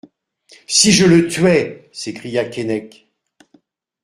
Si je le tuais ! s'écria Keinec.